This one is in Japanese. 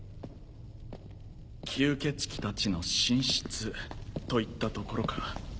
吸血鬼たちの寝室といったところか。